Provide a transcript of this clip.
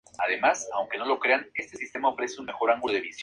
Publicó obras de Mozart, Haydn, Weber, Beethoven, Hummel, Meyerbeer y Berlioz.